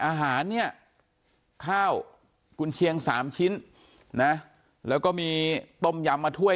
อาหารเนี่ยข้าวกุญเชียงสามชิ้นนะแล้วก็มีต้มยำมาถ้วย